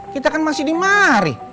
kita kan masih di mari